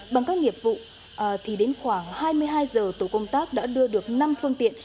bằng các nghiệp vụ thì đến khoảng hai mươi hai giờ tổ công tác đã đưa được năm phương tiện